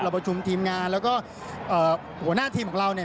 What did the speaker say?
เราประชุมทีมงานแล้วก็หัวหน้าทีมของเรา